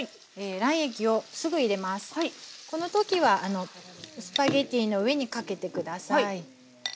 この時はスパゲッティの上にかけて下さい。